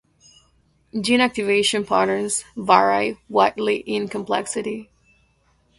Gene activation patterns vary widely in complexity.